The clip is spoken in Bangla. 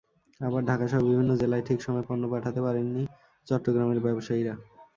আবার ঢাকাসহ বিভিন্ন জেলায় ঠিক সময়ে পণ্য পাঠাতে পারেননি চট্টগ্রামের ব্যবসায়ীরা।